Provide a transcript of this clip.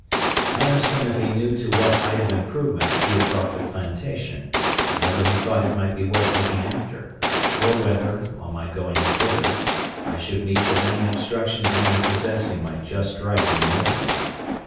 I asked him if he knew to what height of improvement he had brought the plantation, and whether he thought it might be worth looking after; or whether, on my going thither, I should meet with any obstruction to my possessing my just right in the moiety.